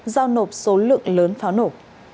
giao nộp số lượng lớn pháo nổ